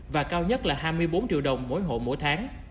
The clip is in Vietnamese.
và cao nhất là hai mươi bốn triệu đồng mỗi hộ mỗi tháng